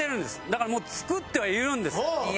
だからもう作ってはいるんです。